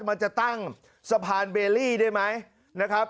มันจะตั้งสะพานเบลลี่ได้ไหมนะครับ